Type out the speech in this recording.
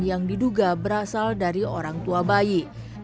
yang diduga berasal dari orang tua bayi